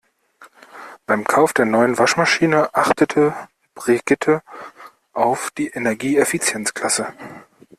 Beim Kauf der neuen Waschmaschine achtete Brigitte auf die Energieeffizienzklasse.